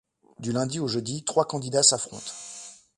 Du lundi au jeudi, trois candidats s'affrontent.